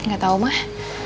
gak tau mah